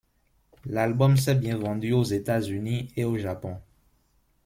L'album s'est bien vendu aux États-Unis et au Japon.